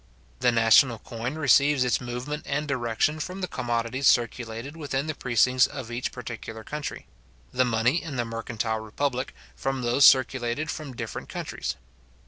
The national coin receives its movement and direction from the commodities circulated within the precincts of each particular country; the money in the mercantile republic, from those circulated between different countries.